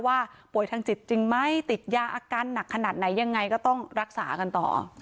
ป่วยทางจิตจริงไหมติดยาอาการหนักขนาดไหนยังไงก็ต้องรักษากันต่อ